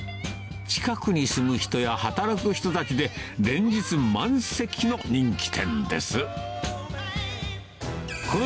近くに住む人や働く人たちで、連日、満席の人気店です。